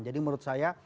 jadi menurut saya